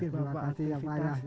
ya terima kasih bapak